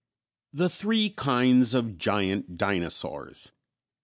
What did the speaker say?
_The Three Kinds of Giant Dinosaurs.